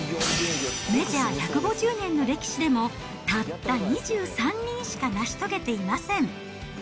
メジャー１５０年の歴史でも、たった２３人しか成し遂げていません。